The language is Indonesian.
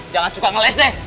jangan suka ngeles deh